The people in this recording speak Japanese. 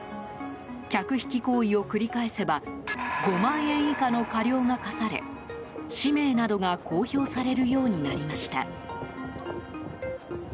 客引き行為を繰り返せば５万円以下の過料が科され氏名などが公表されるようになりました。